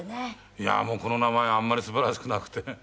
いやもうこの名前あんまり素晴らしくなくてね